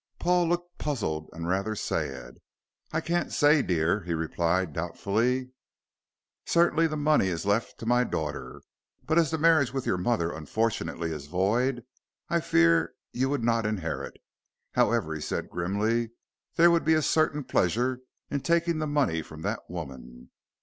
Paul looked puzzled and rather sad. "I can't say, dear," he replied doubtfully. "Certainly the money is left to 'my daughter,' but as the marriage with your mother unfortunately is void, I fear you would not inherit. However," he said grimly, "there would be a certain pleasure in taking the money from that woman.